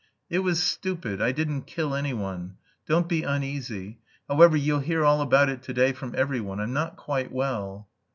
"It was stupid. I didn't kill anyone. Don't be uneasy. However, you'll hear all about it to day from every one. I'm not quite well."